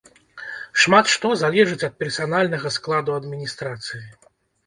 Шмат што залежыць ад персанальнага складу адміністрацыі.